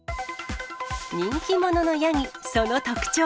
人気者のヤギ、その特徴。